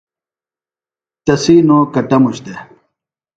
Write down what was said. تسی نو کٹموش دےۡ